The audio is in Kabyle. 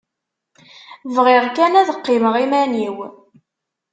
Bɣiɣ kan ad qqimeɣ iman-iw.